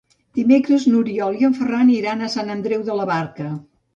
Dimecres n'Oriol i en Ferran iran a Sant Andreu de la Barca.